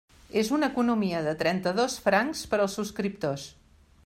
És una economia de trenta-dos francs per als subscriptors.